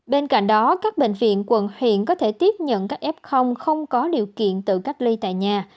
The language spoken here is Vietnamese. bên cạnh đó các bệnh viện quận huyện có thể tiếp nhận các f không có điều kiện tự cách ly tại nhà